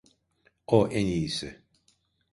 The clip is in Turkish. O en iyisi.